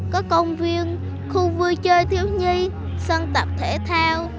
có công viên khu vui chơi thiếu nhi sân tập thể thao